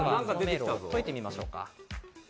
解いてみましょうか。